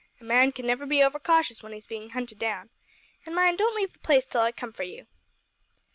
A man can never be over cautious when he's bein' hunted down. An' mind, don't leave the place till I come for you."